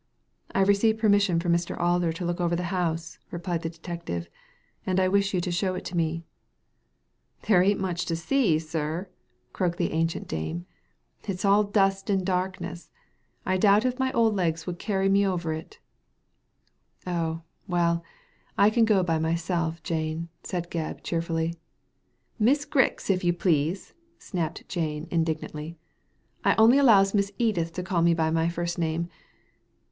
"I have received permission from Mr. Alder to look over the house," replied the detective, "and I wkh you to show it to me." '* There ain't much to see, sir," croaked the ancient Digitized by Google A NEEDLE IN A HAYSTACK 207 dame, *' it's all dust and darkness. I doubt if my old legs would carry me over it" " Oh, well, I can go by myself, Jane, said Gebb, cheerfully. " Mrs. Grij^ if you please !snapped Jane, indig nantly. " I only allows Miss Edith to call me by my first name.